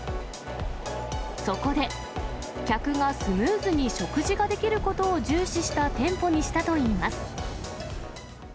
そこで、客がスムーズに食事ができることを重視した店舗にしたといいます。